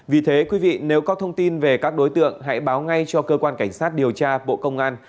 vì thế quý vị nếu có thông tin về các đối tượng hãy báo ngay cho cơ quan cảnh sát điều tra bộ công an